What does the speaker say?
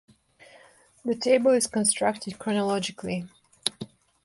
The table is constructed chronologically.